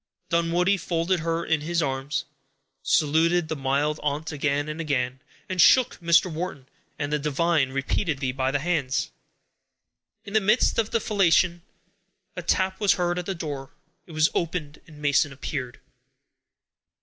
Dunwoodie folded her in his arms, saluted the mild aunt again and again, and shook Mr. Wharton and the divine repeatedly by the hands. In the midst of the felicitation, a tap was heard at the door. It was opened, and Mason appeared.